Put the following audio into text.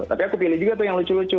tapi aku pilih juga tuh yang lucu lucu